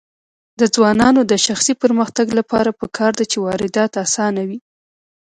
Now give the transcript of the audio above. د ځوانانو د شخصي پرمختګ لپاره پکار ده چې واردات اسانوي.